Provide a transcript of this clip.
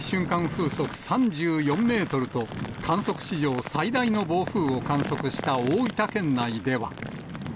風速３４メートルと、観測史上最大の暴風を観測した大分県内では。